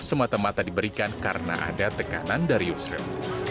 semata mata diberikan karena ada tekanan dari yusril